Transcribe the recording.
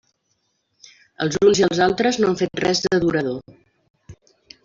Els uns i els altres no han fet res de durador.